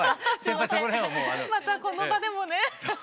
またこの場でもね。